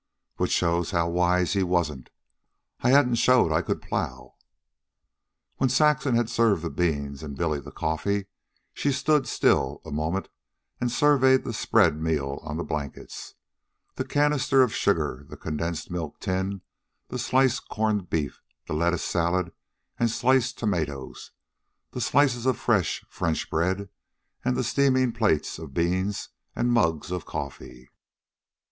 "Which shows how wise he wasn't. I hadn't showed I could plow." When Saxon had served the beans, and Billy the coffee, she stood still a moment and surveyed the spread meal on the blankets the canister of sugar, the condensed milk tin, the sliced corned beef, the lettuce salad and sliced tomatoes, the slices of fresh French bread, and the steaming plates of beans and mugs of coffee.